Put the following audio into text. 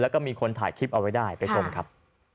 แล้วก็มีคนถ่ายคลิปเอาไว้ได้ไปชมครับ